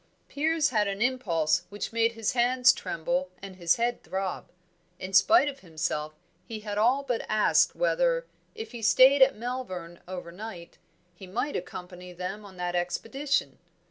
Piers had an impulse which made his hands tremble and his head throb; in spite of himself he had all but asked whether, if he stayed at Malvern overnight, he might accompany them on that expedition.